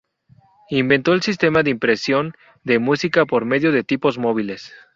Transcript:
Inventó el sistema de impresión de música por medio de tipos móviles.